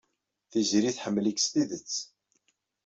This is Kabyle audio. Tiziri tḥemmel-ik s tidet.